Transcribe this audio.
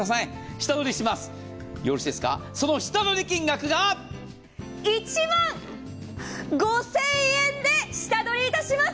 下取りします、その下取り金額が１万５０００園で下取りいたします。